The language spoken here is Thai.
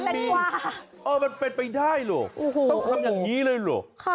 มันมีเอ่อกันเป็นไปได้หรอกบางคำอย่างงี้เลยหรอก